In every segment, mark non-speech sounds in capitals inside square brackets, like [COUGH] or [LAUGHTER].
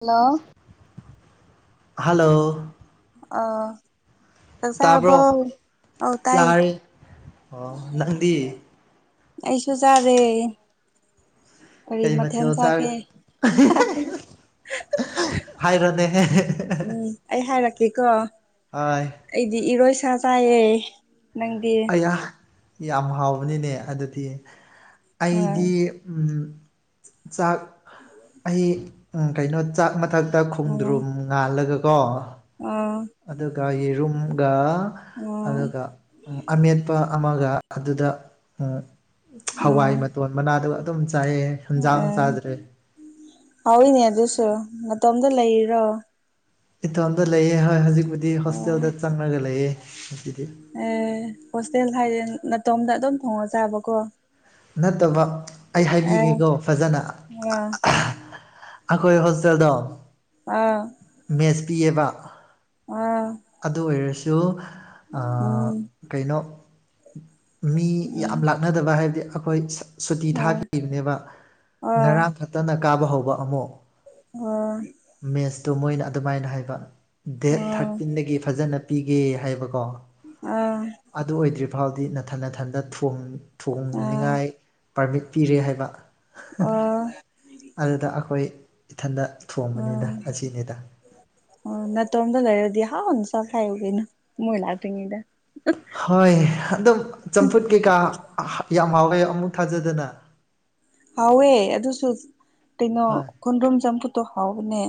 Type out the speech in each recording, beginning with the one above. hello hello ꯑꯥ ꯆꯥꯛ ꯆꯥꯥꯔꯕꯣ ꯇꯥꯕ꯭ꯔꯣ ꯑꯧ ꯇꯥꯏ ꯆꯥꯔꯦ ꯑꯣ ꯅꯪꯗꯤ ꯑꯩꯁꯨ ꯆꯥꯔꯦ ꯀꯔꯤ ꯃꯊꯦꯜ ꯆꯥꯒꯦ ꯍꯥꯏꯔꯣꯅꯦꯍꯦ ꯎꯝ ꯑꯩ ꯍꯥꯏꯔꯛꯀꯦꯀꯣ ꯍꯥꯏ ꯑꯩꯗꯤ ꯏꯔꯣꯏ ꯁꯥ ꯆꯥꯏꯌꯦ ꯅꯪꯗꯤ ꯏꯌꯥ ꯌꯥꯝ ꯍꯥꯎꯕꯅꯤꯅꯦ ꯑꯗꯨꯗꯤ ꯑꯥ ꯑꯩꯗꯤ ꯆꯥꯛ ꯑꯩ ꯎ ꯀꯩꯅꯣ ꯆꯥꯛ ꯃꯊꯛꯇ ꯎꯝ ꯈꯣꯡꯗ꯭ꯔꯨꯝ ꯉꯥꯜꯂꯒꯀꯣ ꯑꯥ ꯑꯗꯨꯒ ꯌꯦꯔꯨꯝꯒ ꯎꯝ ꯑꯗꯨꯒ ꯑꯃꯦꯠꯄ ꯑꯃꯒ ꯑꯗꯨꯗ ꯍꯋꯥꯏ ꯎꯝ ꯃꯇꯣꯟ ꯃꯅꯥꯗꯨꯒ ꯑꯗꯨꯝ ꯆꯥꯏꯌꯦ ꯍꯟꯖꯥꯡ ꯆꯥꯗ꯭ꯔꯦ ꯍꯥꯎꯏꯅꯦ ꯑꯗꯨꯁꯨ ꯃꯇꯣꯝꯇ ꯂꯩꯔꯣ ꯏꯇꯣꯝꯇ ꯂꯩꯑꯦ ꯍꯣꯏ ꯍꯧꯖꯤꯛꯄꯨꯗꯤ ꯑꯣ ꯍꯣꯁꯇꯦꯜꯗ ꯆꯪꯉꯒ ꯂꯩꯑꯦ ꯑꯦ ꯍꯣꯁꯇꯦꯜ ꯍꯥꯏꯗꯤ ꯅꯇꯣꯝꯗ ꯑꯗꯨꯝ ꯊꯣꯡꯉ ꯆꯥꯕꯀꯣ ꯅꯠꯇꯕ ꯑꯩ ꯑꯦ ꯍꯥꯏꯕꯤꯒꯦꯀꯣ ꯐꯖꯅ [UNINTELLIGIBLE] ꯑꯩꯈꯣꯏ ꯍꯣꯁꯇꯦꯜꯗꯣ ꯑꯥ ꯃꯦꯁ ꯄꯤꯌꯦꯕ ꯑꯥ ꯑꯗꯨ ꯑꯣꯏꯔꯁꯨ ꯎꯝ ꯀꯩꯅꯣ ꯃꯤ ꯎꯝ ꯌꯥꯝ ꯂꯥꯛꯅꯗꯕ ꯍꯥꯏꯕꯗꯤ ꯑꯩꯈꯣꯏ ꯁꯨꯇꯤ ꯍꯣꯏ ꯊꯥꯈꯤꯕꯅꯦꯕ ꯑꯥ ꯉꯔꯥꯡ ꯈꯛꯇꯅ ꯀꯥꯕ ꯍꯧꯕ ꯑꯃꯨꯛ ꯑꯣ ꯃꯦꯠꯁꯇꯣ ꯃꯣꯏꯅ ꯑꯗꯨꯃꯥꯏꯅ ꯍꯥꯏꯕ ꯗꯦꯠ ꯊꯥꯔ ꯑꯣ ꯐꯖꯅ ꯄꯤꯒꯦ ꯍꯥꯏꯕꯀꯣ ꯑꯥ ꯑꯗꯨ ꯑꯣꯏꯗ꯭ꯔꯤ ꯐꯥꯎꯗꯤ ꯅꯥꯊꯟ ꯅꯥꯊꯟꯗ ꯊꯣꯡꯅꯤꯡꯉꯥꯏ ꯄꯥꯔꯃꯤꯠ ꯄꯤꯔꯦ ꯍꯥꯏꯕ ꯑꯗꯨꯗ ꯑꯩꯈꯣꯏ ꯏꯊꯟꯗ ꯊꯣꯡꯕꯅꯤꯗ ꯎꯝ ꯑꯁꯤꯅꯤꯗ ꯑꯣ ꯅꯥꯇꯣꯝꯗ ꯂꯩꯔꯗꯤ ꯍꯥꯥꯎꯅ ꯆꯥꯈꯥꯏꯌꯨ ꯀꯩꯅꯣ ꯃꯣꯏ ꯂꯥꯛꯇꯔꯤ ꯉꯩꯗ ꯍꯣꯏ ꯑꯗꯨꯝ ꯆꯝꯐꯨꯠ ꯀꯩꯀꯥ ꯌꯥꯝ ꯍꯥꯎꯋꯦ ꯑꯃꯨꯛ ꯊꯥꯖꯗꯅ ꯍꯥꯎꯋꯦ ꯑꯗꯨꯁꯨ ꯀꯩꯅꯣ ꯍꯣꯏ ꯈꯣꯟꯗꯔꯨꯝ ꯆꯝꯐꯨꯠꯇꯣ ꯍꯥꯎꯕꯅꯦ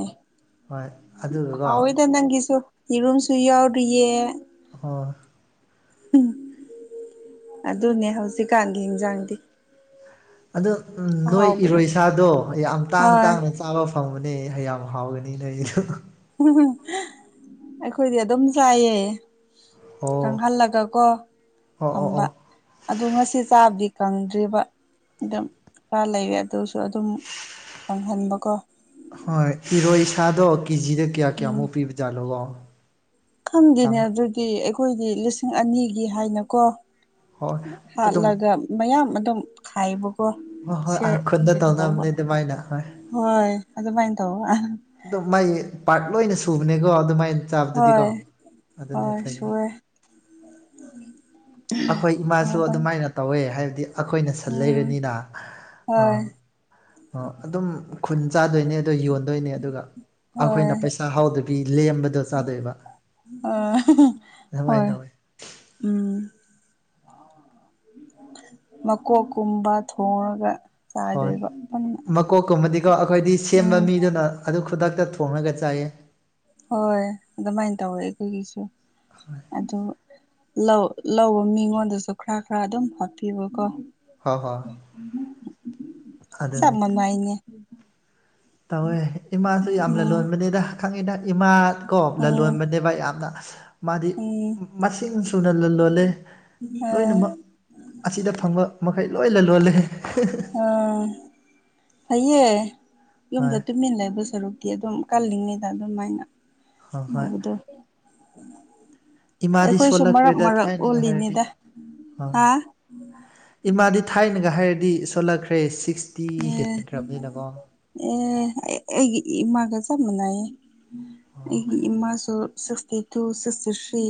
ꯍꯣꯏ ꯑꯗꯨꯒꯀꯣ ꯍꯥꯎꯌꯤꯗ ꯅꯪꯒꯤꯁꯨ ꯌꯦꯔꯨꯝꯁꯨ ꯌꯥꯎꯔꯤꯌꯦꯦ ꯍꯣꯏ ꯑꯗꯨꯅꯦ ꯍꯧꯖꯤꯛꯀꯥꯟꯒꯤ ꯌꯦꯟꯖꯥꯡꯗꯤ ꯑꯗꯣ ꯅꯣꯏ ꯑꯍꯥꯎꯕꯗꯣ ꯏꯔꯣꯏꯁꯥꯗꯣ ꯌꯥꯝ ꯇꯥꯡ ꯍꯣꯏ ꯇꯥꯡꯅ ꯆꯥꯕ ꯐꯪꯕꯅꯦ ꯌꯥꯝ ꯍꯥꯎꯔꯗꯤ ꯂꯩꯌꯣ ꯑꯩꯈꯣꯏꯗꯤ ꯑꯗꯨꯝ ꯆꯥꯏꯌꯦ ꯑꯣ ꯀꯪꯍꯜꯂꯒ ꯀꯣ ꯑꯣ ꯑꯣ ꯑꯣ ꯑꯗꯨ ꯉꯁꯤ ꯆꯥꯕꯗꯤ ꯀꯪꯗ꯭ꯔꯤꯕ ꯑꯗꯨꯝ ꯈꯔ ꯂꯩꯑ ꯑꯗꯨꯁꯨ ꯑꯗꯨꯝ ꯀꯪꯍꯟꯕꯀꯣ ꯍꯣꯏ ꯏꯔꯣꯏ ꯁꯥꯗꯣ ꯀꯦꯖꯤꯗ ꯀꯌꯥ ꯎꯝ ꯀꯌꯥꯃꯨꯛ ꯄꯤꯕꯖꯥꯠꯅꯣꯀꯣ ꯈꯪꯗꯦꯅꯦ ꯑꯗꯨꯗꯤ ꯑꯩꯈꯣꯏꯗꯤ ꯂꯤꯁꯤꯡ ꯑꯅꯤꯒꯤ ꯍꯥꯏꯅꯀꯣ ꯍꯣꯏ ꯑꯗꯨꯝ ꯍꯥꯠꯂꯒ ꯃꯌꯥꯝ ꯑꯗꯨꯝ ꯈꯥꯏꯕ ꯍꯣꯏ ꯍꯣꯏ ꯑ ꯈꯨꯟꯗ ꯇꯧꯅꯕꯅꯦ ꯑꯗꯨꯃꯥꯏꯅ ꯍꯣꯏ ꯍꯣꯏ ꯑꯗꯨꯃꯥꯏꯅ ꯇꯧꯕ ꯑꯗꯨ ꯃꯥꯏ ꯄꯥꯔꯠ ꯂꯣꯏꯅ ꯁꯨꯕꯅꯦꯀꯣ ꯑꯗꯨꯃꯥꯏꯅ ꯆꯥꯕꯗꯨꯗꯤꯀꯣ ꯍꯣꯏ ꯑꯗꯨꯅꯦ ꯍꯣꯏ ꯐꯩꯌꯦ ꯁꯨꯋꯦ ꯑꯩꯈꯣꯏ ꯏꯃꯥꯁꯨ ꯇꯧꯕꯅꯤ ꯑꯗꯨꯃꯥꯏꯅ ꯇꯧꯋꯦ ꯍꯥꯏꯕꯗꯤ ꯑꯩꯈꯣꯏꯅ ꯁꯟ ꯎꯝ ꯂꯩꯔꯅꯤꯅ ꯍꯣꯏ ꯑꯣ ꯑꯗꯨꯝ ꯈꯨꯟ ꯆꯥꯗꯣꯏꯅꯦ ꯑꯗꯣ ꯌꯣꯟꯗꯣꯏꯅꯦ ꯑꯗꯨꯒ ꯍꯣꯏ ꯑꯩꯈꯣꯏꯅ ꯄꯩꯁꯥ ꯍꯥꯎꯗꯣꯏ ꯃꯤ ꯂꯦꯝꯕꯗꯣ ꯆꯥꯗꯣꯏꯕ ꯑꯥ [UNINTELLIGIBLE] ꯍꯣꯏ ꯇꯧꯌꯦ ꯎꯝ ꯃꯀꯣꯛ ꯀꯨꯝꯕ ꯊꯣꯡꯉꯒ ꯍꯣꯏ ꯃꯀꯣꯛꯀꯨꯝꯕꯗꯤꯀꯣ ꯑꯩꯈꯣꯏꯗꯤ ꯁꯦꯝꯕ ꯎꯝ ꯃꯤꯗꯨꯅ ꯑꯗꯨ ꯈꯨꯗꯛꯇ ꯊꯣꯡꯉꯒ ꯆꯥꯏꯌꯦ ꯍꯣꯏ ꯑꯗꯨꯃꯥꯏꯅ ꯇꯧꯋꯦ ꯑꯩꯈꯣꯏꯒꯤꯁꯨ ꯑꯗꯨ ꯂꯧ ꯂꯧꯕ ꯃꯤꯉꯣꯟꯗꯁꯨ ꯈꯔ ꯈꯔ ꯑꯗꯨꯝ ꯍꯥꯞꯄꯤꯕꯀꯣ ꯍꯣꯏ ꯍꯣꯏ ꯑꯗꯨꯅꯦ ꯆꯞꯃꯥꯟꯅꯩꯅꯦ ꯇꯧꯋꯦ ꯏꯃꯥꯁꯨ ꯌꯥꯝꯅ ꯂꯣꯟꯕꯅꯤꯗ ꯈꯪꯉꯤꯅ ꯏꯃꯥ ꯀꯣ ꯎꯝ ꯂꯂꯣꯟꯕꯅꯦꯕ ꯌꯥꯝꯅ ꯃꯥꯗꯤ ꯎꯝ ꯃꯁꯤꯡ ꯁꯨꯅ ꯂꯂꯣꯟꯂꯦ ꯎꯝ ꯑꯁꯤꯗ ꯐꯪꯕ ꯃꯈꯩ ꯂꯣꯏꯅ ꯂꯣꯜꯂꯦ ꯑꯥ ꯐꯩꯌꯦ ꯌꯨꯝꯗ ꯍꯣꯏ ꯇꯨꯃꯤꯟꯅ ꯂꯩꯕ ꯁꯔꯨꯛ ꯑꯗꯨꯝ ꯀꯜꯂꯤꯉꯩꯗ ꯑꯗꯨꯝꯥꯏꯅ ꯍꯣꯏ ꯍꯣꯏ ꯎꯧꯕꯗꯣ ꯏꯃꯥꯗꯤ ꯑꯩꯈꯣꯏꯁꯨ ꯃꯔꯛ ꯁꯣꯜꯂꯛꯈ꯭ꯔꯦꯗ ꯃꯔꯛ ꯊꯥꯏꯅꯒ ꯍꯥꯏꯔꯗꯤ ꯑꯣꯜꯂꯤꯅꯤꯗ ꯑꯥ ꯍꯥ ꯏꯃꯥꯗꯤ ꯊꯥꯏꯅꯒ ꯍꯥꯏꯔꯗꯤ ꯁꯣꯜꯂꯛꯈ꯭ꯔꯦ ꯁꯤꯛꯁꯇꯤ ꯑꯦ ꯍꯦꯟꯈ꯭ꯔꯕꯅꯤꯅꯀꯣ ꯑꯦ ꯑꯩ ꯑꯩꯒꯤ ꯏꯃꯥꯒ ꯆꯞ ꯃꯅꯌꯦ ꯑꯩ ꯏꯃꯁꯨ sixty two sixty three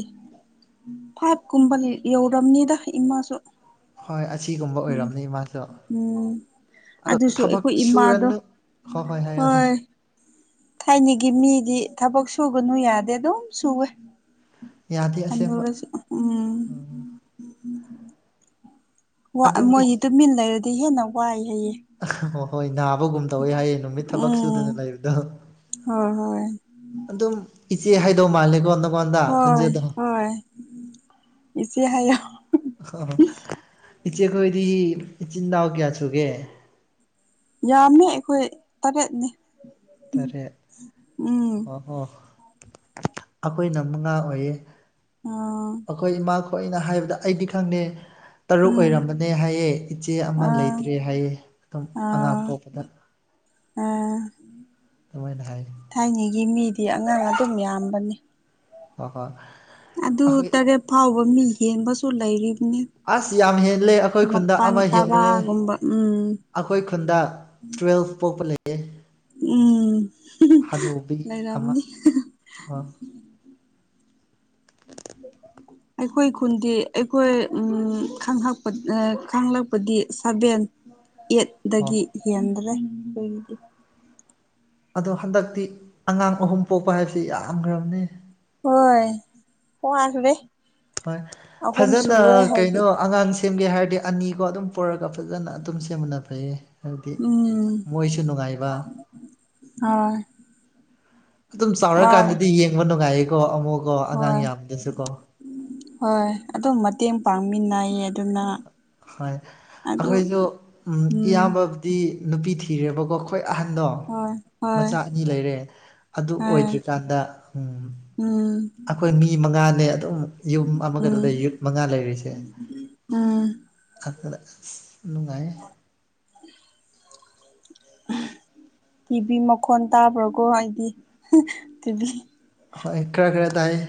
five ꯀꯨꯝꯕ ꯌꯧꯔꯕꯝꯅꯤꯗ ꯏꯃꯥꯁꯨ ꯍꯣꯏ ꯑꯁꯤꯒꯨꯝꯕ ꯑꯣꯏꯔꯝꯅꯤ ꯃꯥꯁꯨ ꯎꯝ ꯑꯗꯨꯁꯨ ꯊꯕꯛ ꯑꯩꯈꯣꯏ ꯏꯃꯥꯗꯣ ꯁꯨꯔꯅꯨ ꯍꯣꯏ ꯍꯣꯏ ꯌꯥ ꯑꯗꯨꯅꯤ ꯊꯥꯏꯅꯒꯤ ꯃꯤꯗꯤ ꯊꯕꯛ ꯁꯨꯒꯅꯨ ꯌꯥꯗꯦ ꯑꯗꯨꯝ ꯁꯨꯋꯦ ꯌꯥꯗꯦ ꯑꯁꯦꯡꯕ ꯑꯅꯨꯔ ꯎꯝ ꯑꯗꯨꯝ ꯃꯣꯏꯁꯤ ꯏꯆꯦ ꯇꯨꯃꯤꯟ ꯂꯩꯔꯗꯤ ꯍꯦꯟꯅ ꯋꯥꯏ ꯍꯥꯏꯌꯦ ꯍ ꯍꯣꯏ ꯅꯥꯕꯒꯨꯝ ꯇꯧꯋꯤ ꯍꯥꯏꯌꯦ ꯅꯨꯃꯤꯠ ꯊꯕꯛ ꯁꯨꯗꯅ ꯎꯝ ꯂꯩꯕꯗꯣ ꯍꯣꯏ ꯍꯣꯏ ꯑꯗꯨꯝ ꯏꯆꯦ ꯍꯥꯏꯗꯧ ꯃꯥꯜꯂꯦꯀꯣ ꯑꯗꯨꯝ ꯍ ꯍ ꯏꯆꯦ ꯍꯥꯏꯌꯦ ꯑ ꯏꯆꯦꯈꯣꯏꯗꯤ ꯏꯆꯤꯟ ꯏꯅꯥꯎ ꯀꯌꯥ ꯁꯨꯒꯦ ꯌꯥꯝꯃꯦ ꯑꯩꯈꯣꯏ ꯇꯔꯦꯠꯅꯤ ꯇꯔꯦꯠ ꯎꯝ ꯑꯣ ꯍꯣ ꯑꯩꯈꯣꯏꯅ ꯃꯉꯥ ꯑꯣꯏꯌꯦ ꯑꯣ ꯑꯩꯈꯣꯏ ꯏꯃꯥ ꯈꯣꯏ ꯑꯅ ꯍꯥꯏꯕꯗ ꯑꯩꯗꯤ ꯈꯪꯗꯦ ꯇꯔꯨꯛ ꯎꯝ ꯑꯣꯏꯔꯝꯕꯅꯦ ꯍꯥꯏꯌꯦ ꯏꯆꯦ ꯑꯃ ꯑꯥ ꯂꯩꯇ꯭ꯔꯦ ꯍꯥꯏꯌꯦꯦ ꯑꯗꯨꯝ ꯑꯉꯥꯡ ꯑꯥ ꯄꯣꯛꯄꯗ ꯑꯥ ꯑꯗꯨꯃꯥꯏꯅ ꯍꯥꯏ ꯊꯥꯏꯅꯒꯤ ꯃꯤꯗꯤ ꯑꯉꯥꯡ ꯑꯗꯨꯝ ꯌꯥꯝꯕꯅꯤ ꯑꯗꯨꯒꯣꯏ ꯑꯗꯨ ꯇꯔꯦꯠ ꯐꯥꯎꯕ ꯃꯤ ꯌꯦꯦꯟꯕꯁꯨ ꯂꯩꯔꯤꯕꯅꯤ ꯑꯁ ꯌꯥꯝ ꯍꯦꯜꯂꯦ ꯑꯩꯈꯣꯏ ꯈꯨꯟꯗ ꯃꯄꯜ ꯑꯃ ꯍꯦꯜꯂꯨꯔꯦ ꯇꯔꯥꯒꯨꯝꯕ ꯎꯝ ꯑꯩꯈꯣꯏ ꯈꯨꯟꯗ ꯇꯨꯌꯦꯦꯜꯐ ꯄꯣꯛꯄ ꯂꯩꯌꯦ ꯎꯝ ꯍꯅꯨꯕꯤ ꯑꯃ ꯂꯩꯔꯝꯅꯤ ꯑ [INAUDIBLE] ꯑꯩꯈꯣꯏ ꯈꯨꯟꯗꯤ ꯑꯩꯈꯣꯏ ꯎ ꯈꯛꯄ ꯈꯪꯂꯛꯄꯗꯤ ꯁꯚꯦꯟ ꯑꯣ ꯌꯦꯠꯒꯤ ꯍꯦꯟꯗ꯭ꯔꯦ ꯑꯩꯈꯣꯏꯒꯤꯗꯤ ꯑꯗꯣ ꯍꯟꯗꯛꯇꯤ ꯑꯉꯥꯡ ꯑꯍꯨꯝ ꯄꯣꯛꯄ ꯍꯥꯏꯕꯁꯤ ꯌꯥꯝꯈ꯭ꯔꯕꯅꯤ ꯍꯣꯏ ꯀꯣ ꯑꯁꯕ ꯍꯣꯏ ꯐꯖꯅ ꯍꯥꯏꯗꯤ ꯀꯩꯅꯣ ꯑꯉꯥꯡꯁꯤ ꯁꯦꯝꯒꯦ ꯍꯥꯏꯔꯗꯤ ꯑꯅꯤꯒꯣ ꯑꯗꯨꯝ ꯄꯨꯔꯒ ꯐꯖꯅ ꯑꯗꯨꯝ ꯁꯦꯝꯃꯨꯟꯅ ꯐꯩꯌꯦ ꯍꯥꯏꯕꯗꯤ ꯃꯣꯏꯁꯨ ꯅꯨꯡꯉꯥꯏꯕ ꯑꯣ ꯑꯗꯨꯝ ꯆꯥꯎꯔꯀꯥꯟꯗꯗꯤ ꯌꯦꯡꯕ ꯅꯨꯡꯉꯥꯏꯌꯦꯀꯣ ꯑꯃꯨꯛꯀꯣ ꯑꯉꯥꯡ ꯍꯣꯏ ꯌꯥꯝꯅꯁꯨꯀꯣ ꯍꯣꯏ ꯑꯗꯨꯝ ꯃꯇꯦꯡ ꯄꯥꯡꯃꯤꯟꯅꯩꯌꯦ ꯑꯗꯨꯅ ꯍꯣꯏ ꯑꯗꯨ ꯑꯩꯈꯣꯏꯁꯨ ꯎꯝ ꯏꯌꯥꯝꯕꯕꯨꯗꯤ ꯅꯨꯄꯤ ꯊꯤꯔꯦꯕꯀꯣ ꯑꯩꯈꯣꯏ ꯑꯍꯟꯗꯣ ꯍꯣꯏ ꯍꯣꯏ ꯃꯆꯥ ꯑꯅꯤ ꯂꯩꯔꯦ ꯑꯗꯨ ꯍꯣꯏ ꯑꯣꯏꯗ꯭ꯔꯤꯀꯥꯟꯗ ꯎꯝ ꯑꯩꯈꯣꯏ ꯃꯤ ꯃꯉꯥꯅꯦ ꯑꯗꯨꯝ ꯌꯨꯝ ꯎꯝ ꯑꯃꯒꯗꯨꯗ ꯌꯨꯠ ꯃꯉꯥ ꯂꯩꯔꯤꯁꯦ ꯎꯝ ꯑ ꯅꯨꯡꯉꯥꯏ [INAUDIBLE] ꯇꯤꯚꯤ ꯃꯈꯣꯟ ꯇꯥꯕ꯭ꯔꯣꯀꯣ ꯑꯩꯗꯤ ꯇꯤꯚꯤ ꯍꯣꯏ ꯈꯔ ꯈꯔ ꯇꯥꯏꯌꯦ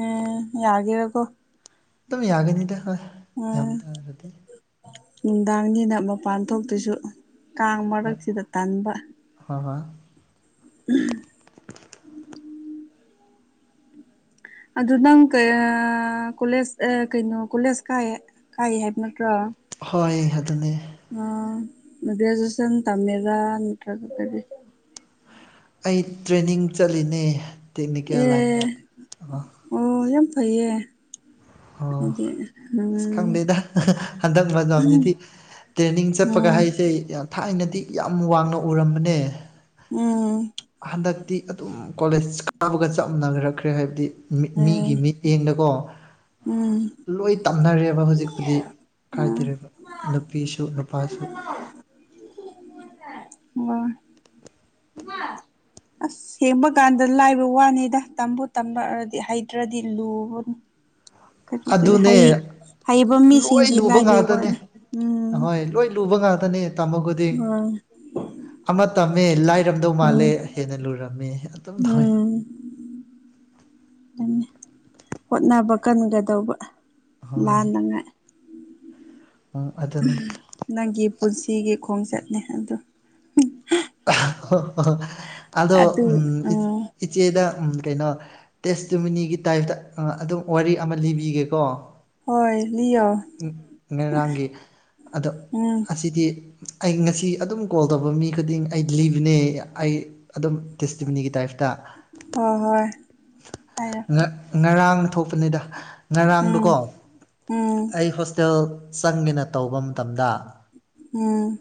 ꯎꯝ ꯌꯥꯒꯤꯔꯀꯣ ꯑꯗꯨꯝ ꯌꯥꯒꯅꯤꯗ ꯍ ꯑꯣꯏ ꯅꯨꯡꯗꯥꯡꯅꯤꯅ ꯃꯄꯥꯟ ꯊꯣꯛꯇꯣꯏꯁꯨ ꯀꯥꯡ ꯃꯔꯛꯁꯤꯗ ꯇꯟꯥꯟꯕ ꯍꯣꯏ ꯍꯣꯏ ꯎ ꯑꯗꯨ ꯅꯪ ꯀ ꯀꯣꯂꯦꯁ ꯑ ꯀꯩꯅꯣ ꯀꯣꯂꯦꯁ ꯀꯥꯏ ꯀꯔꯤ ꯍꯥꯏꯕ ꯅꯠꯇ꯭ꯔꯣ ꯍꯣꯏ ꯑꯗꯨꯅꯦ ꯑ ꯭ꯔꯦꯖꯨꯌꯦꯁꯟ ꯊꯝꯃꯦꯒ ꯅꯠꯇ꯭ꯔꯒ ꯐꯗꯤ ꯑꯩ ꯇ꯭ꯔꯦꯅꯤꯡ ꯆꯠꯂꯤꯅꯦ ꯇꯦꯛꯅꯤꯀꯦꯜ ꯑꯦ ꯂꯥꯏꯟꯗ ꯑꯣ ꯑꯣ ꯌꯥꯝ ꯐꯩꯌꯦ ꯑꯣ ꯑꯗꯨꯗꯤ ꯑꯁ ꯈꯪꯗꯦꯗ ꯍꯟꯗꯛ ꯍꯟꯖꯐꯝꯁꯤꯗꯤ ꯇ꯭ꯔꯦꯅꯤꯡ ꯆꯠꯄꯒ ꯎꯝ ꯍꯥꯏꯁꯦ ꯑꯩ ꯌꯥꯝ ꯊꯥꯏꯅꯗꯤ ꯌꯥꯝ ꯋꯥꯡꯅ ꯎꯔꯝꯕꯅꯦ ꯎꯝ ꯍꯟꯗꯛꯇꯤ ꯑꯗꯨꯝ ꯀꯣꯂꯦꯖ ꯀꯥꯕꯒ ꯆꯞ ꯃꯅꯈ꯭ꯔꯛꯈ꯭ꯔꯦ ꯍꯥꯏꯕꯗꯤ ꯃꯤꯠ ꯑꯦ ꯃꯤꯒꯤ ꯃꯤꯠ ꯏꯗꯨꯀꯣ ꯎꯝ ꯂꯣꯏ ꯇꯝꯅꯔꯦꯕ ꯍꯧꯖꯤꯛꯄꯨꯗꯤ ꯑꯥ ꯀꯥꯏꯗꯦꯕ ꯅꯨꯄꯤꯁꯨ ꯅꯨꯄꯥꯁꯨ ꯋꯥ ꯑꯁ ꯁꯦꯡꯕ ꯀꯥꯟꯗ ꯂꯥꯏꯕ ꯋꯥꯅꯤꯗ ꯇꯝꯕꯨ ꯇꯝꯕꯗꯤ ꯍꯩꯇ꯭ꯔꯗꯤ ꯂꯨꯕ ꯀꯔꯤ ꯀꯔꯤ ꯑꯗꯨꯅꯦ ꯍꯩꯕ ꯂꯣꯏ ꯃꯤꯁꯤꯡꯗꯤ ꯂꯨꯕ ꯂꯥꯏꯕꯩ ꯉꯥꯛꯇꯅꯦ ꯋꯥꯅꯤ ꯎꯝ ꯑꯍꯣꯏ ꯂꯣꯏ ꯂꯨꯕ ꯉꯥꯛꯇꯅꯦ ꯇꯝꯃꯣꯕꯨꯗꯤ ꯍꯣꯏ ꯑꯃ ꯇꯝꯃꯦ ꯂꯥꯏꯔꯝꯗꯧ ꯎꯝ ꯃꯥꯜꯂꯦ ꯍꯦꯟꯅ ꯂꯨꯔꯝꯃꯦ ꯑꯗꯨꯝ ꯇꯧꯏ ꯎꯝ ꯍꯣꯠꯅꯕ ꯀꯟꯒꯗꯧꯕ ꯍꯣꯏ ꯂꯥꯟꯅꯉꯥꯏ ꯎꯝ ꯑꯗꯨꯟꯅ ꯅꯪꯒꯤ ꯄꯨꯟꯁꯤꯒꯤ ꯈꯣꯡꯆꯠꯅꯤ ꯑꯗꯨ ꯑꯗꯣ ꯑꯗꯨ ꯎꯝ ꯏꯆꯦꯗ ꯀꯩꯅꯣ ꯇꯦꯁꯇꯨꯃꯤꯅꯤꯒꯤ ꯇꯥꯏꯞꯇ ꯑꯗꯨꯝ ꯋꯥꯔꯤ ꯑꯃ ꯂꯤꯕꯤꯒꯦꯀꯣ ꯍꯣꯏ ꯂꯤꯌꯣ ꯎ ꯉꯦꯔꯥꯡꯒꯤ ꯑꯗꯣ ꯎꯝ ꯑꯁꯤꯗꯤ ꯑꯩ ꯉꯁꯤ ꯑꯗꯨꯝ ꯀꯣꯜ ꯇꯧꯕ ꯃꯤ ꯈꯨꯗꯤꯡ ꯑꯩ ꯂꯤꯕꯅꯦ ꯑꯩ ꯑꯗꯨꯝ ꯇꯦꯁꯇꯤꯚꯅꯤꯒꯤ ꯇꯥꯏꯞꯇ ꯍꯣꯏ ꯍꯣꯏ ꯍꯥꯏ ꯉꯔꯥꯡ ꯊꯣꯛꯄꯅꯤꯗ ꯎꯝ ꯉꯔꯥꯡꯗꯨꯣꯀꯣ ꯎꯝ ꯑꯩ ꯍꯣꯁꯇꯦꯜ ꯆꯪꯒꯦꯅ ꯇꯧꯕ ꯃꯇꯝꯗ ꯎꯝ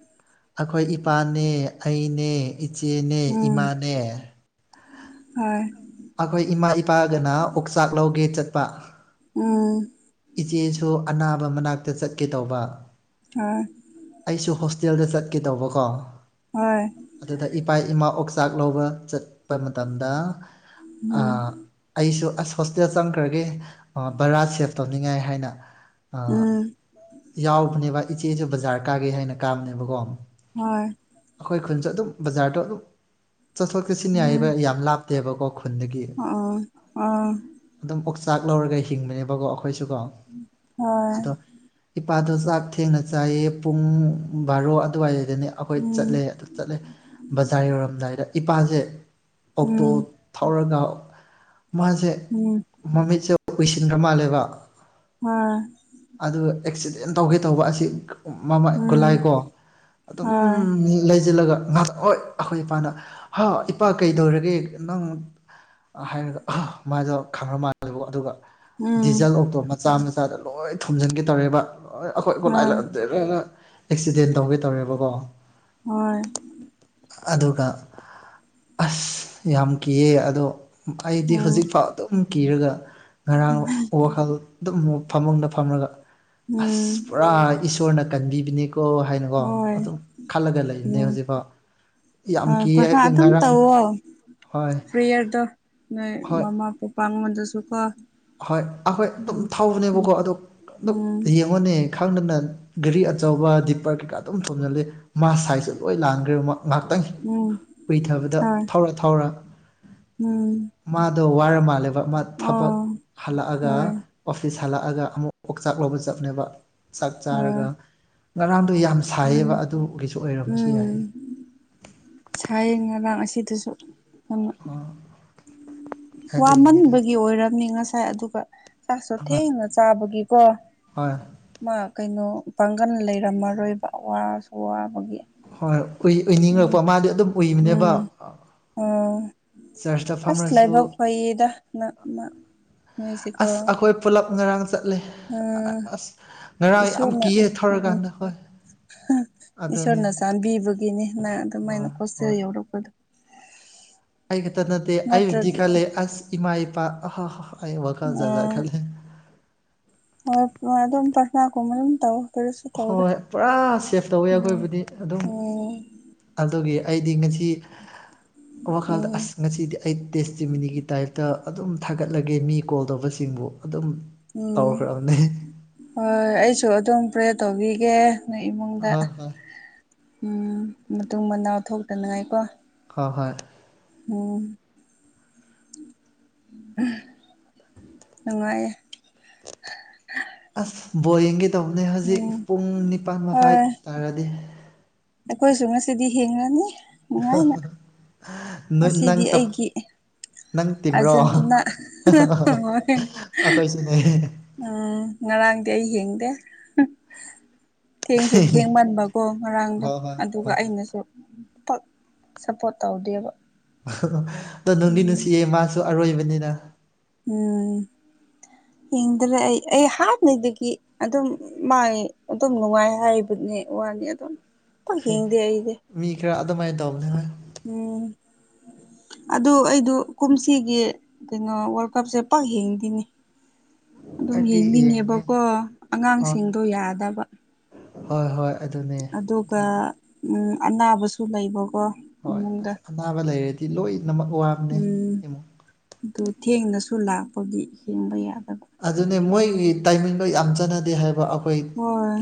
ꯑꯩꯈꯣꯏ ꯏꯄꯥꯅꯦ ꯑꯩꯅꯦ ꯏꯆꯦꯅꯦ ꯎꯝ ꯏꯃꯥꯅꯦ ꯍꯣꯏ ꯑꯩꯈꯣꯏ ꯏꯃꯥ ꯏꯄꯥꯒꯅ ꯑꯣꯛꯆꯥꯛ ꯂꯧꯒꯦ ꯆꯠꯄ ꯎꯝ ꯏꯆꯦꯁꯨ ꯑꯅꯥꯕ ꯃꯅꯥꯛꯇ ꯆꯠꯀꯦ ꯇꯧꯕ ꯑ ꯑꯩꯁꯨ ꯍꯣꯁꯇꯦꯜꯗ ꯆꯠꯀꯦꯗꯧꯕꯀꯣ ꯍꯣꯏ ꯑꯗꯨꯗ ꯏꯄꯥ ꯏꯃꯥ ꯑꯣꯛꯆꯥꯛ ꯂꯧꯕ ꯆꯠꯄ ꯃꯇꯝꯗ ꯎꯝ ꯑꯩꯁꯨ ꯑꯁ ꯍꯣꯁꯇꯦꯜ ꯆꯪꯈ꯭ꯔꯒꯦ ꯕꯔꯥ ꯁꯦꯞ ꯇꯧꯅꯤꯡꯉꯥꯏ ꯍꯥꯏꯅ ꯎꯝ ꯌꯥꯎꯕꯅꯦꯕ ꯏꯆꯦꯁꯨ ꯕꯖꯥꯔ ꯀꯥꯒꯦ ꯍꯥꯏꯅ ꯀꯥꯕꯅꯦꯕꯀꯣ ꯍꯣꯏ ꯑꯩꯈꯣꯏ ꯈꯨꯟꯁꯨ ꯑꯗꯨꯝ ꯕꯖꯥꯔꯗꯣ ꯑꯗꯨꯝ ꯆꯠꯊꯣꯛ ꯆꯠꯁꯤꯟ ꯌꯥꯏꯕ ꯌꯥꯝ ꯂꯥꯞꯄ ꯠꯇꯦꯕꯀꯣ ꯈꯨꯟꯗꯒꯤ ꯑꯣ ꯎ ꯑꯗꯨꯝ ꯑꯣꯛꯆꯥꯛ ꯂꯧꯔꯒ ꯍꯤꯡꯕꯅꯦꯕꯀꯣ ꯑꯩꯈꯣꯏꯁꯨ ꯀꯣ ꯍ ꯏꯄꯥꯗꯣ ꯆꯥꯛ ꯊꯦꯡꯅ ꯆꯥꯏꯌꯦ ꯄꯨꯡ ꯕꯥꯔꯣ ꯑꯗꯨꯋꯥꯏꯗꯅꯦ ꯑꯩꯈꯣꯏ ꯎꯝ ꯆꯠꯂꯦ ꯑꯗꯨ ꯆꯠꯂꯦ ꯕꯖꯥꯔ ꯌꯧꯔꯝꯗꯥꯏꯗ ꯏꯄꯥꯁꯦ ꯑꯣꯛꯇꯣ ꯎꯝ ꯊꯧꯔꯒ ꯃꯥꯁꯦ ꯎꯝ ꯃꯃꯤꯠꯁꯦ ꯀꯨꯏꯁꯤꯟꯈ꯭ꯔ ꯃꯥꯜꯂꯦꯕ ꯑꯝ ꯑꯗꯨꯒ ꯑꯦꯛꯁꯤꯗꯦꯟ ꯇꯧꯒꯦ ꯇꯧꯕ ꯑꯁꯤ ꯃꯃ ꯎꯝ ꯒꯨꯂꯥꯏ ꯀꯣ ꯑꯗꯨꯝ ꯍꯣꯏ ꯂꯩꯁꯤꯜꯂꯒ ꯉ ꯍꯣꯏ ꯑꯩꯈꯣꯏ ꯏꯄꯥꯅ ꯍꯥ ꯏꯄꯥ ꯀꯩꯗꯧꯔꯒꯦ ꯅꯪ ꯍꯥꯏꯔꯒ ꯃꯗꯣ ꯈꯪꯈ꯭ꯔ ꯃꯥꯜꯦꯕ ꯑꯗꯨꯒ ꯎꯝ ꯗꯤꯖꯜ ꯑꯣꯛꯇꯣ ꯃꯆꯥ ꯃꯆꯥꯗ ꯂꯣꯏ ꯊꯨꯝꯝꯖꯤꯟꯒꯦ ꯇꯧꯔꯦꯕ ꯑꯩꯈꯣꯏ ꯈꯨꯣꯂꯥꯏ ꯍꯣꯏ ꯂꯛꯑꯗꯦ ꯂꯣꯏꯅ ꯑꯦꯛꯁꯤꯗꯦꯟ ꯇꯧꯒꯦ ꯇꯧꯔꯦꯕꯀꯣ ꯍꯔ ꯑꯗꯨꯒ ꯑꯁ ꯌꯥꯝ ꯀꯤꯌꯦ ꯑꯗꯣ ꯑꯩꯗꯤ ꯎꯝ ꯍꯧꯖꯤꯛꯐꯥꯎ ꯑꯗꯨꯝ ꯀꯤꯔꯒ ꯉꯔꯥꯡ ꯋꯥꯈꯜ ꯑꯗꯨꯝ ꯐꯃꯨꯡꯗ ꯐꯝꯂꯒ ꯎꯝ ꯑꯁ ꯄꯨꯔꯥ ꯏꯁꯣꯔꯅ ꯀꯟꯕꯤꯕꯅꯤ ꯀꯣ ꯍꯥꯏꯅꯀꯣ ꯍꯣꯏ ꯑꯗꯨꯝ ꯈꯜꯂꯒ ꯂꯩꯅꯦ ꯎꯝ ꯍꯧꯖꯤꯛꯐꯥꯎ ꯌꯥꯝ ꯍꯣꯏ ꯀꯤꯌꯦ ꯄ꯭ꯔꯁꯥ ꯍꯥꯏꯕꯗꯤ ꯑꯗꯨꯝ ꯉꯔꯥꯡ ꯇꯧꯋꯣ ꯍꯣꯏ ꯐ꯭ꯔꯤ ꯏꯌꯥꯔꯗꯣ ꯅꯣꯏ ꯍꯣꯏ ꯃꯃꯥ ꯄꯄꯥ ꯑꯩꯉꯣꯟꯗꯁꯨ ꯀꯣ ꯍꯣꯏ ꯑꯩꯈꯣꯏ ꯑꯗꯨꯝ ꯊꯧꯕꯅꯦꯕꯀꯣ ꯑꯗꯨ ꯑꯗꯨ ꯎꯝ ꯌꯦ ꯑꯩꯉꯣꯟꯅꯦ ꯈꯪꯗꯅ ꯒꯥꯔꯤ ꯑꯆꯧꯕ ꯗꯤ ꯄꯔ ꯀꯩꯀꯥ ꯑꯗꯨꯝ ꯊꯣꯡꯖꯤꯜꯂꯤ ꯃꯥ ꯁꯥꯏꯖꯁ ꯂꯣꯏ ꯂꯥꯟꯈ꯭ꯔꯦꯕ ꯉꯥꯏꯍꯥꯛꯇꯪꯅꯤ ꯎꯝ ꯀꯨꯏꯊꯕꯗ ꯍꯣꯏ ꯊꯧꯔ ꯊꯧꯔ ꯎꯝ ꯃꯥꯗꯣ ꯋꯥꯔ ꯃꯥꯂꯦ ꯃꯥ ꯊꯕꯛ ꯑꯥ ꯍꯜꯂꯛꯑꯒ ꯑꯣꯐꯤꯁ ꯍꯜꯂꯛꯑꯒ ꯑꯃꯨꯛ ꯄꯨꯥꯛꯆꯥꯛ ꯂꯧꯕ ꯆꯞꯅꯦꯕ ꯆꯥꯛ ꯍꯣꯏ ꯆꯥꯔꯒ ꯉꯔꯥꯡꯗꯣ ꯌꯥꯝ ꯎꯝ ꯁꯥꯏꯌꯦꯕ ꯑꯗꯨꯒꯤꯁꯨ ꯑꯣꯏꯔꯝꯃꯁꯨ ꯌꯥꯏꯌꯦ ꯁꯌꯦꯟ ꯉꯔꯥꯡ ꯑꯁꯤꯗꯁꯨ ꯌꯥꯝ ꯑꯣ ꯑꯗꯨꯒꯤꯅꯤꯗ ꯋꯥꯃꯟꯕꯒꯤ ꯑꯣꯏꯔꯝꯅꯤ ꯉꯁꯥꯏ ꯑꯗꯨꯒ ꯆꯥꯛꯁꯨ ꯑꯃ ꯊꯦꯡꯅ ꯆꯥꯕꯒꯤꯀꯣ ꯍꯣꯏ ꯃꯥ ꯀꯩꯅꯣ ꯄꯥꯡꯒꯜ ꯂꯩꯔꯝꯃꯔꯣꯏꯕ ꯋꯥꯁꯨ ꯋꯥꯕꯒꯤ ꯍꯣꯏ ꯎꯏ ꯎꯝ ꯑꯣꯏꯅꯤꯡꯉꯛꯄ ꯃꯥꯗꯤ ꯑꯗꯨꯝ ꯎꯏꯕꯅꯦꯕ ꯎꯝ ꯑꯣ ꯆꯔꯁꯇ ꯑꯥꯁ ꯂꯩꯥꯏꯕ ꯐꯝꯔꯁꯨ ꯐꯌꯦꯗ ꯅꯪ ꯑꯁ ꯅꯣꯏꯁꯤꯀꯣ ꯑꯩꯈꯣꯏ ꯄꯨꯂꯞ ꯉꯔꯥꯡ ꯆꯠꯂꯦ ꯎꯝ ꯑꯁ ꯉꯔꯥꯡ ꯌꯥꯝ ꯏꯁꯣꯔꯅ ꯀꯤꯌꯦ ꯎꯝ ꯊꯧꯔꯀꯥꯟꯗ ꯍꯣꯏ ꯑꯗꯨꯅꯦ ꯏꯁꯣꯔꯅ ꯆꯥꯟꯕꯤꯕꯒꯤꯅꯤ ꯅꯪ ꯑꯗꯨꯃꯥꯏꯅ ꯍꯣꯏ ꯍꯣꯁꯇꯦꯜ ꯍꯣꯏ ꯌꯥꯎꯔꯛꯄꯗꯣ ꯑꯩ ꯈꯛꯇ ꯅꯠꯇꯦ ꯑꯩ ꯍꯧꯗꯤ ꯅꯠꯇ꯭ꯔꯗꯤ ꯈꯜꯂꯦ ꯑꯁ ꯏꯃꯥ ꯏꯄꯥ ꯑꯍꯥꯍꯥ ꯑꯩ ꯋꯥꯈꯜ ꯖꯥꯖ ꯈꯜꯂꯦ ꯑꯣ ꯑꯗꯨꯝ ꯄꯠꯅꯥ ꯀꯨꯝꯕ ꯑꯗꯨꯝ ꯇꯧ ꯀꯔꯤꯁꯨ ꯇꯧꯔꯣꯏ ꯍꯣꯏ ꯄꯨꯔꯥ ꯁꯦꯐ ꯇꯧꯋꯦ ꯎꯝ ꯑꯩꯈꯣꯏꯕꯨꯗꯤ ꯑꯗꯨꯝ ꯎꯝ ꯑꯗꯨꯒꯤ ꯑꯩꯗꯤ ꯉꯁꯤ ꯋꯥꯈꯜꯗ ꯎꯝ ꯑꯁ ꯉꯁꯤꯗꯤ ꯑꯩ ꯇꯦꯁ ꯆꯤꯃꯤꯅꯤꯒꯤ ꯇꯥꯏꯞꯇ ꯑꯗꯨꯝ ꯊꯥꯒꯠꯂꯒꯦ ꯃꯤ ꯀꯣꯜ ꯇꯧꯕꯁꯤꯡꯕꯨ ꯑꯗꯨꯝ ꯎꯝ ꯇꯧꯈ꯭ꯔꯕꯅꯦ ꯍꯣꯏ ꯑꯩꯁꯨ ꯑꯗꯨꯝ ꯄ꯭ꯔꯦ ꯇꯧꯕꯤꯒꯦ ꯅ ꯏꯃꯨꯡꯗ ꯍꯣꯏ ꯍꯣꯏ ꯃꯇꯨꯡ ꯃꯅꯥꯎ ꯊꯣꯛꯇꯅꯤꯡꯉꯥꯏꯀꯣ ꯍꯣꯏ ꯍꯣꯏ ꯑꯣ ꯅꯨꯡꯉꯥꯏ ꯑꯁ ꯕꯣꯌꯦꯡꯒꯤ ꯇꯧꯕꯅꯦ ꯍꯧꯖꯤꯛ ꯎꯝ ꯄꯨꯡ ꯅꯤꯄꯥꯟ ꯃꯈꯥꯏ ꯍꯣꯏ ꯇꯥꯔꯗꯤ ꯑꯩꯈꯣꯏꯁꯨ ꯉꯁꯤꯗꯤ ꯍꯤꯡꯉꯅꯤ [UNINTELLIGIBLE] ꯑꯁꯤꯗꯤ ꯁꯞ ꯑꯩꯒꯤ ꯅꯪ ꯇꯤꯝꯔꯣ ꯑꯔꯖꯦꯟꯇꯤꯅꯥ ꯑꯩꯈꯣꯏꯁꯨꯅꯦ ꯎꯝ ꯉꯔꯥꯡꯗꯤ ꯑꯩ ꯍꯦꯡꯗꯦ ꯊꯦꯡꯁꯨ ꯊꯦꯡꯃꯟꯕꯀꯣ ꯉꯔꯥꯡꯗꯣ ꯍꯣꯏ ꯍꯣꯏ ꯑꯗꯨꯒ ꯍꯣꯏ ꯍꯣꯏ ꯑꯩꯅꯁꯨ ꯁꯞꯄꯣꯔꯠ ꯇꯧꯗꯦꯕ ꯑꯗꯣ ꯅꯅꯨꯡꯗꯤ ꯎꯝ ꯅꯨꯡꯁꯤꯌꯦ ꯃꯥꯁꯨ ꯑꯔꯣꯏꯕꯅꯤꯅ ꯎꯝ ꯌꯦꯡꯗ꯭ꯔꯦ ꯑꯩ ꯑꯩ ꯍꯥꯟꯅꯩꯗꯒꯤ ꯑꯗꯨꯝ ꯃꯥꯏ ꯑꯗꯨꯝ ꯅꯨꯡꯉꯥꯏ ꯍꯥꯏꯕꯅꯦ ꯋꯥꯅꯤ ꯑꯗꯨꯝꯛ ꯍꯤꯡꯗꯦ ꯑꯩꯁꯦ ꯃꯤ ꯈꯔ ꯑꯗꯨꯃꯥꯏꯅ ꯇꯧꯕꯅꯤ ꯍꯣꯏ ꯎꯝ ꯑꯗꯨ ꯑꯩꯗꯨ ꯀꯨꯝꯁꯤꯒꯤ ꯀꯩꯅꯣ ꯋꯥꯔꯜ ꯀꯞꯁꯦ ꯄꯛ ꯍꯦꯡꯗꯤꯅꯦ ꯑꯗꯨꯝ ꯑꯩꯗꯤ ꯌꯦꯡꯉꯦ ꯌꯦꯡꯅꯤꯡꯉꯦꯕꯀꯣ ꯍꯣꯏ ꯑꯉꯥꯡꯁꯤꯡꯗꯣ ꯌꯥꯗꯕ ꯍꯣꯏ ꯍꯣꯏ ꯑꯗꯨꯅꯦ ꯑꯗꯨꯒ ꯑꯗꯨꯝ ꯎ ꯑꯅꯥꯕꯁꯨ ꯂꯩꯕꯀꯣ ꯍꯣꯏ ꯏꯃꯨꯡꯗ ꯑꯁ ꯑꯅꯥꯕ ꯂꯩꯔꯗꯤ ꯂꯣꯏꯅꯃꯛ ꯋꯥꯕꯅꯦ ꯎꯝ ꯏꯃꯨꯡ ꯑꯗꯨ ꯊꯦꯡꯅꯁꯨ ꯂꯥꯛꯄꯒꯤ ꯍꯦꯡꯕ ꯌꯥꯗꯕꯣ ꯑꯗꯨꯅꯦ ꯃꯣꯏꯒꯤ ꯇꯥꯏꯃꯤꯡꯗꯣ ꯌꯥꯝ ꯆꯠꯅꯗꯦ ꯍꯥꯏꯕ ꯑꯩꯈꯣꯏ ꯍꯣꯏ